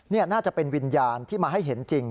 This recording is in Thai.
นี่น่าจะเป็นวิญญาณที่มาให้เห็นจริง